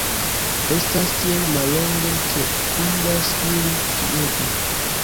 Estas tiel mallonge ke indas iri piede.